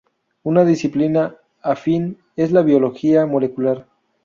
Una disciplina afín es la biología molecular.